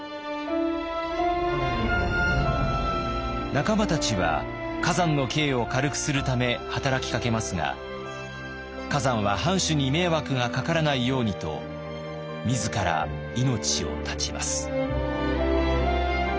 仲間たちは崋山の刑を軽くするため働きかけますが崋山は藩主に迷惑がかからないようにと自ら命を絶ちます。